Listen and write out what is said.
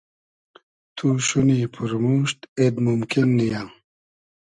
تو شونی پورموشت اید مومکین نییۂ